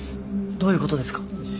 どういう事ですか？